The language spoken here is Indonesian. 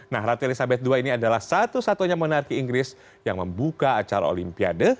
nah ratu elizabeth ii ini adalah satu satunya monarki inggris yang membuka acara olimpiade